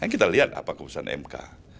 kita lihat apa keputusan mk